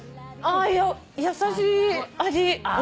優しい味。